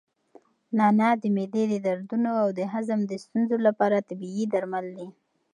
نعناع د معدې د دردونو او د هضم د ستونزو لپاره طبیعي درمل دي.